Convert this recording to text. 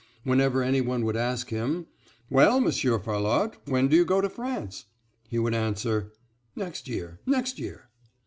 Whenever anyone would ask him, "Well, Monsieur Farlotte, when do you go to France?" he would answer, "Next year—next year."